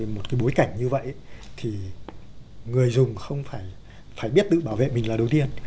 một cái bối cảnh như vậy thì người dùng không phải biết tự bảo vệ mình là đầu tiên